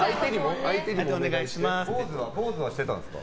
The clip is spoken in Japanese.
坊主はしてたんですか？